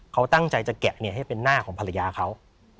เขาตั้งใจจะแกะให้เป็นหน้าของภรรยาเขา